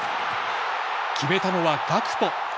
決めたのは、ガクポ！